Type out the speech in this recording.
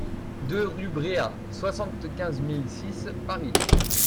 deux rue Bréa, soixante-quinze mille six Paris